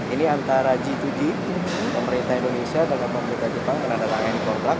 ini antara g dua g pemerintah indonesia dan pemerintah jepang karena ada tangan yang dikontrak